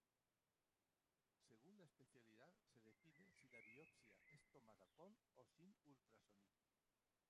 Según la especialidad se define si la biopsia es tomada con o sin ultrasonido.